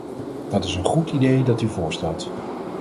Dat is een goed idee dat u voorstelt.